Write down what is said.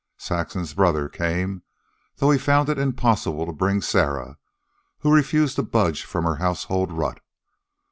Saxon's brother came, though he had found it impossible to bring Sarah, who refused to budge from her household rut.